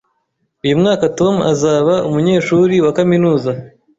Uyu mwaka Tom azaba umunyeshuri wa kaminuza